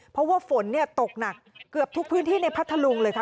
เพราะว่าฝนตกหนักเกือบทุกพื้นที่ในพัทธลุงเลยค่ะ